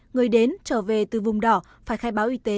người đến trở về từ vùng đỏ phải khai báo y tế